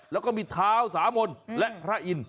แล้วก็มีทาวสามลและพระอิน